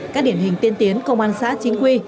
các điển hình tiên tiến công an xã chính quy